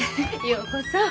ようこそ。